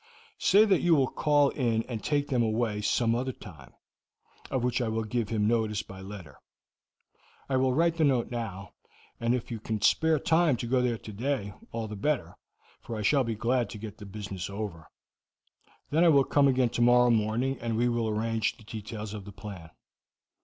Say that you will call in and take them away some other time, of which I will give him notice by letter. I will write the note now, and if you can spare time to go there today, all the better, for I shall be glad to get the business over; then I will come again tomorrow morning, and we will arrange the details of the plan.